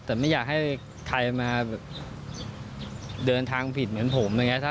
แต่ไม่อยากให้ใครมาเดินทางผิดเหมือนผม